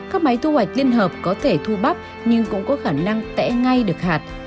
các máy thu hoạch liên hợp có thể thu bắp nhưng cũng có khả năng tẽ ngay được hạt